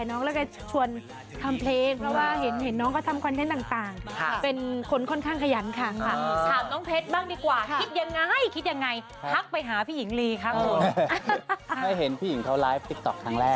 เน็ตแม้บอกแล้วว่าขาวไม่ขาว